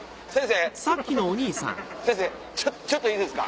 先生ちょっといいですか。